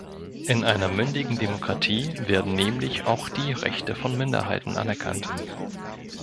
In einer mündigen Demokratie werden nämlich auch die Rechte von Minderheiten anerkannt.